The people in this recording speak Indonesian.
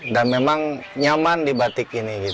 dan memang nyaman di batik ini